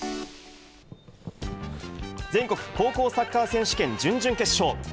全国高校サッカー選手権準々決勝。